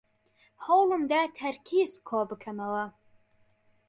هەوڵم دا تەرکیزم کۆبکەمەوە.